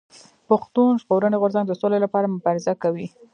پښتون ژغورني غورځنګ د سولي لپاره مبارزه کوي.